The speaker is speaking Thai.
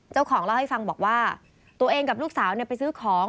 เจ้าของเล่าให้ฟังบอกว่าตัวเองกับลูกสาวไปซื้อของ